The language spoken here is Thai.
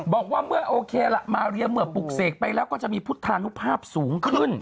บอกว่าเมื่อโอเคล่ะมาเรียเมื่อปลูกเสกไปแล้วก็จะมีพุทธานุภาพสูงขึ้น